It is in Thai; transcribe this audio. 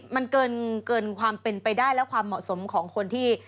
มันเกินความเป็นไปได้และความเหมาะสมของคนที่